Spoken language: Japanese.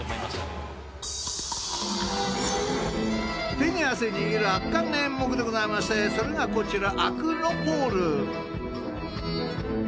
手に汗握る圧巻の演目でございましてそれがこちら。